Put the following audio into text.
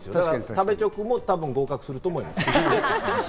食べチョクも多分合格すると思います。